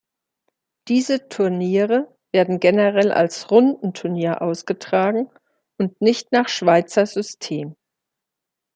Diese Turniere werden generell als Rundenturnier ausgetragen und nicht nach Schweizer System.